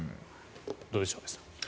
どうでしょう、安部さん。